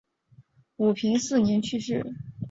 武平四年去世。